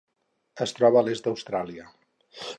Es troba a l'est d'Austràlia.